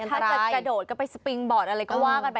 ถ้าจะกระโดดก็ไปสปิงบอร์ดอะไรก็ว่ากันไป